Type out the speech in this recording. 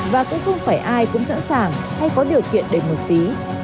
và cũng không phải ai cũng sẵn sàng hay có điều kiện để nộp phí